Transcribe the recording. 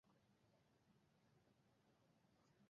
Inca যুবরাজ টিনটিনকে অনুরোধ করেন সূর্যের আলো যেন আবার দেখা যায়।